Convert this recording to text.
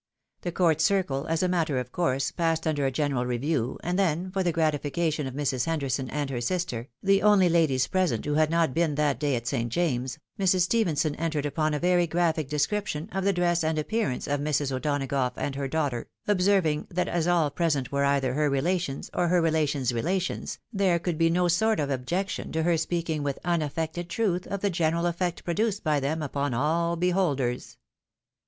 The court circle, as a matter of course, passed under a general review, and then, for the gratification of Mrs. Henderson and her sister, the only ladies present who had not been that day at St. James's, Mrs. Stephenson entered upon a very graphic description of the dress and appearance of Mrs. O'Donagough and her daughter, observing that as all present were either her relations, or her relation's relations, there could be no sort of objection to her speaking with unaffected truth of the general effect produced by them upon all beholders.